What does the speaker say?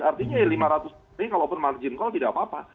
artinya lima ratus dolar ini kalau pun margin call tidak apa apa